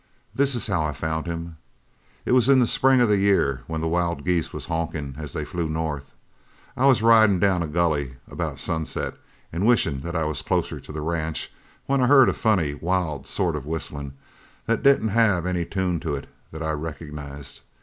This is how I found him. It was in the spring of the year when the wild geese was honkin' as they flew north. I was ridin' down a gulley about sunset and wishin' that I was closer to the ranch when I heard a funny, wild sort of whistlin' that didn't have any tune to it that I recognized.